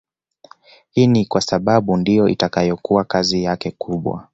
Hii ni kwa sababu ndiyo itakayokuwa kazi yake kubwa